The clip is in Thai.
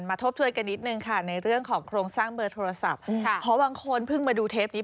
มาถูกท้องกันนิดหนึ่งค่ะในเรื่องของโครงสร้างเบอร์โทรศัพท์